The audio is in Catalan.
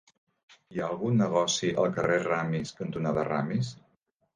Hi ha algun negoci al carrer Ramis cantonada Ramis?